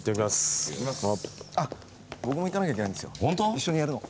一緒にやるの。